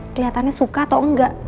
keliatannya suka atau enggak